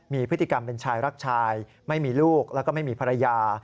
มีพฤติกรรมเป็นชายรักชายไม่มีลูกแล้วก็ไม่มีภรรยา